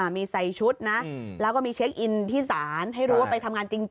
มีใส่ชุดนะแล้วก็มีเช็คอินที่ศาลให้รู้ว่าไปทำงานจริง